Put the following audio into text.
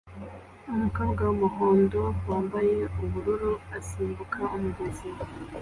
Umukobwa wumuhondo wambaye ubururu asimbuka umugezi